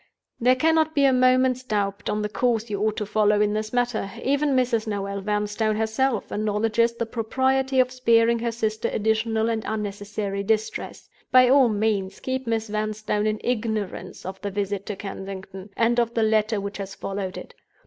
"There cannot be a moment's doubt on the course you ought to follow in this matter. Even Mrs. Noel Vanstone herself acknowledges the propriety of sparing her sister additional and unnecessary distress. By all means, keep Miss Vanstone in ignorance of the visit to Kensington, and of the letter which has followed it.